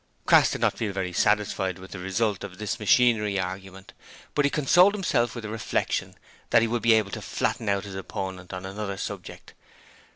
Crass did not feel very satisfied with the result of this machinery argument, but he consoled himself with the reflection that he would be able to flatten out his opponent on another subject.